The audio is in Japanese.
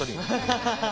ハハハハハ！